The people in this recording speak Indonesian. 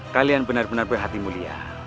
kalian benar benar berhati mulia